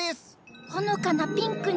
ほのかなピンクに。